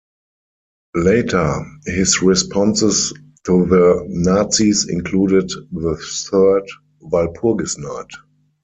Later, his responses to the Nazis included "The Third Walpurgis Night".